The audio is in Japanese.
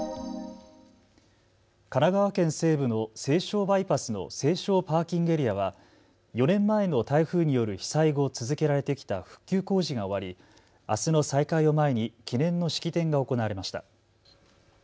神奈川県西部の西湘バイパスの西湘パーキングエリアは４年前の台風による被災後続けられてきた復旧工事が終わりあすの再開を前に記念の式典が行われました。